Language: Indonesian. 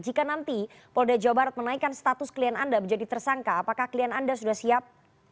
jika nanti polda jawa barat menaikkan status klien anda menjadi tersangka apakah klien anda sudah siap